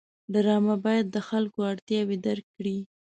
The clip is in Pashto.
ډرامه باید د خلکو اړتیاوې درک کړي